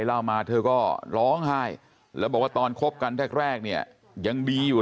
เล่ามาเธอก็ร้องไห้แล้วบอกว่าตอนคบกันแรกแรกเนี่ยยังดีอยู่